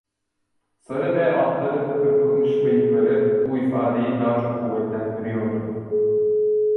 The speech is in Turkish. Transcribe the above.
Sarı ve altları kırpılmış bıyıkları bu ifadeyi daha çok kuvvetlendiriyordu.